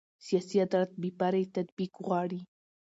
سیاسي عدالت بې پرې تطبیق غواړي